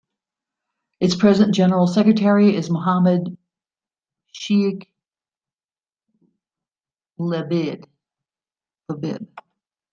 Its present general secretary is Mohamed Cheikh Lehbib.